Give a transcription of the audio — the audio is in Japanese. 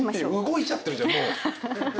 動いちゃってるじゃんもう。